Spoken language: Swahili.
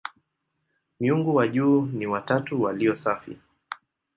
Miungu wa juu ni "watatu walio safi".